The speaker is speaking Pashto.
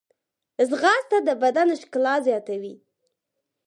ځغاسته د بدن ښکلا زیاتوي